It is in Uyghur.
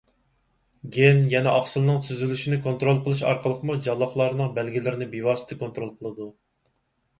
گېن يەنە ئاقسىلنىڭ تۈزۈلۈشىنى كونترول قىلىش ئارقىلىقمۇ جانلىقلارنىڭ بەلگىلىرىنى بىۋاسىتە كونترول قىلىدۇ.